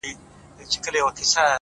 • زما کور ته چي راسي زه پر کور يمه؛